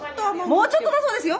もうちょっとだそうですよ。